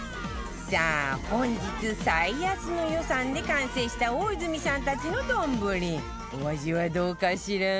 さあ本日最安の予算で完成した大泉さんたちの丼お味はどうかしら？